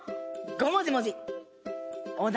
ごもじもじ！